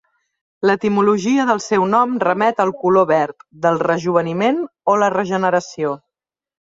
L'etimologia del seu nom remet al color verd, del rejoveniment o la regeneració.